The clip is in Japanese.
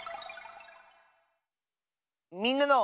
「みんなの」。